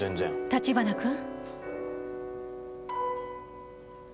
立花君。